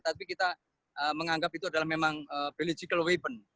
tapi kita menganggap itu adalah memang biological weapon